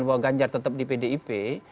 bahwa ganjar tetap di pdip